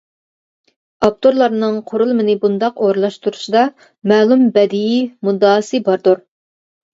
ئاپتورلارنىڭ قۇرۇلمىنى بۇنداق ئورۇنلاشتۇرۇشىدا مەلۇم بەدىئىي مۇددىئاسى باردۇر.